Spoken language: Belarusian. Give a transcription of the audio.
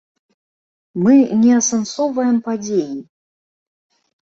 Мы не асэнсоўваем падзеі.